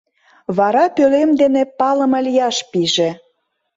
Вара пӧлем дене палыме лияш пиже.